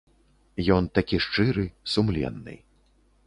Ён такі шчыры, сумленны.